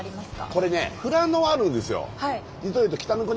これね富良野はあるんですよ。